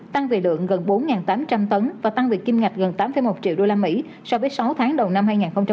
tăng về lượng gần bốn tám trăm linh tấn và tăng về kim ngạch gần tám một triệu usd so với sáu tháng đầu năm hai nghìn hai mươi ba